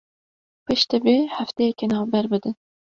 Piştî vê hefteyekî navber bidin